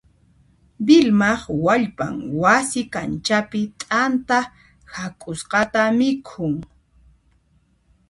Vilmaq wallpan wasi kanchapi t'anta hak'usqata mikhun.